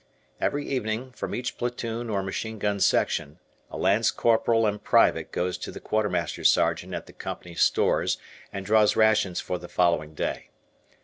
Every evening, from each platoon or machine gun section, a Lance Corporal and Private goes to the Quartermaster Sergeant at the Company Stores and draws rations for the following day.